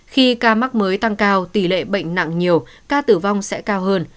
khi ca mắc mới tăng cao tỷ lệ bệnh nặng nhiều ca tử vong sẽ cao hơn